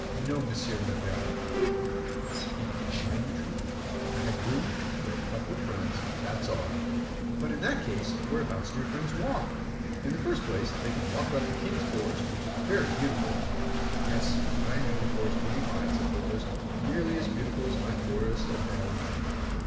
"No, monsieur le baron, I speak the plain truth. I have rooms for a couple of friends, that's all." "But in that case, whereabouts do your friends walk?" "In the first place, they can walk about the king's forest, which is very beautiful." "Yes, I know the forest is very fine," said Porthos; "nearly as beautiful as my forest at Berry."